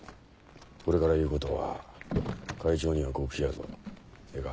これから言うことは会長には極秘やぞええか？